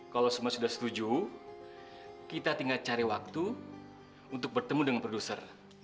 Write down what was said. kalau semua sudah setuju kita tinggal cari waktu untuk bertemu dengan produser